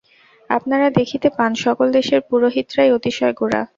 আপনারা দেখিতে পান, সকল দেশের পুরোহিতরাই অতিশয় গোঁড়া।